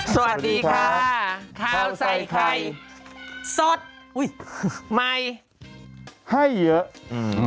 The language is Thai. สวัสดีค่ะข้าวใส่ไข่สดอุ๊ยใหม่ให้เยอะอืมขอต้อนรับ